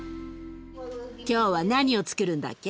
今日は何をつくるんだっけ？